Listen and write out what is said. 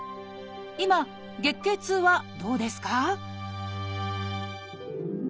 今月経痛はどうですか？